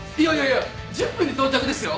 いや１０分で到着ですよ？